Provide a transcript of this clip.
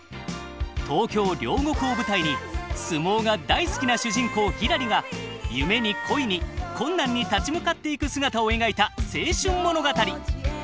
東京・両国を舞台に相撲が大好きな主人公ひらりが夢に恋に困難に立ち向かっていく姿を描いた青春物語！